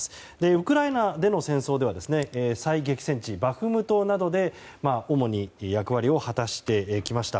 ウクライナでの戦争では最激戦地のバフムトなどで主に役割を果たしてきました。